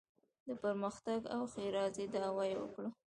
د پرمختګ او ښېرازۍ دعوا یې وکړو.